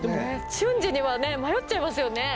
瞬時にはね迷っちゃいますよね。